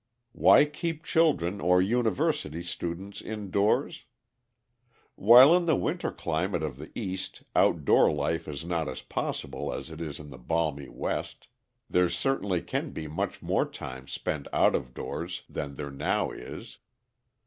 Why keep children or university students indoors? While in the winter climate of the East outdoor life is not as possible as it is in the balmy West, there certainly can be much more time spent out of doors than there now is.